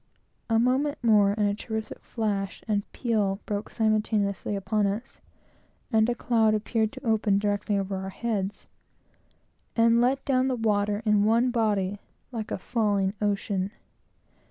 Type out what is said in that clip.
A moment more, and a terrific flash and peal broke simultaneously upon us, and a cloud appeared to open directly over our heads and let down the water in one body, like a falling ocean.